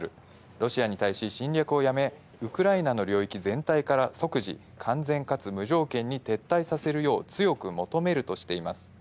ロシアに対し、侵略をやめ、ウクライナの領域全体から即時、完全かつ無条件に撤退させるよう強く求めるとしています。